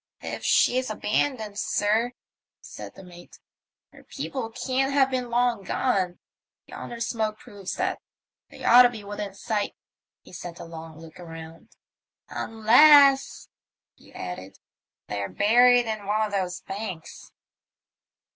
*'If she's abandoned, sir," said the mate, "her people can't have been long gone ; yonder smoke proves that. They ought to be within sight " (he sent a long look around), " unless," he added, " they're buried in one of those banks."